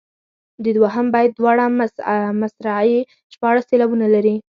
د دوهم بیت دواړه مصرعې شپاړس سېلابونه لري.